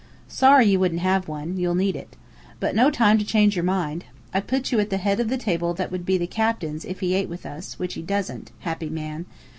"Sorry you wouldn't have one. You'll need it. But no time to change your mind. I've put you at the head of the table that would be the captain's, if he ate with us, which he doesn't happy man!